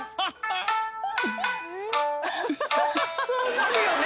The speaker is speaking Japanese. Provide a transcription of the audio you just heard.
そうなるよね。